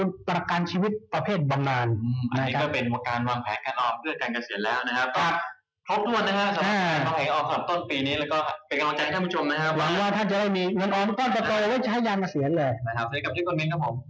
นะครับสวัสดีครับที่คุณมีทครับผม